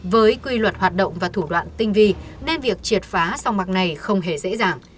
với quy luật hoạt động và thủ đoạn tinh vi nên việc triệt phá song bạc này không hề dễ dàng